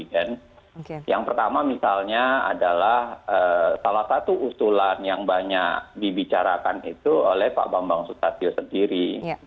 yang pertama misalnya adalah salah satu usulan yang banyak dibicarakan itu oleh pak bambang susatyo sendiri